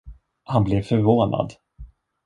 Han blev förvånad.